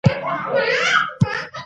څه یې درته ویلي دي ولې یې ځوروئ.